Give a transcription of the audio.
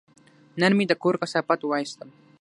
نن مې د کور کثافات وایستل.